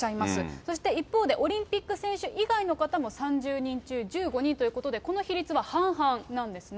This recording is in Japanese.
そして一方でオリンピック選手以外の方も３０人中１５人ということで、この比率は半々なんですね。